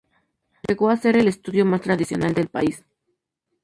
Llegó a ser el estudio más tradicional del país.